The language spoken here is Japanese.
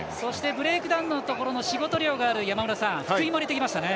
ブレイクダウンのところで仕事量のある福井を入れてきました。